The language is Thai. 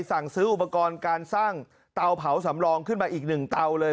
สั่งซื้ออุปกรณ์การสร้างเตาเผาสำรองขึ้นมาอีกหนึ่งเตาเลย